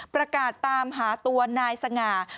ประกาศตามหาตัวนายสง่า